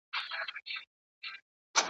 د رباب په غوږ کي وايی شهبازونه زما سندري ,